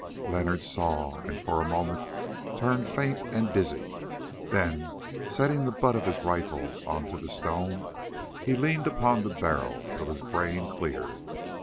Leonard saw, and for a moment turned faint and dizzy, then, setting the butt of his rifle on to the stone, he leaned upon the barrel till his brain cleared.